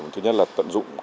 thứ nhất là tận dụng